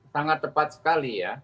sangat tepat sekali ya